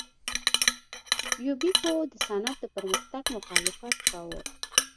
یوبیکو د صنعت د پرمختګ مخالفت کاوه.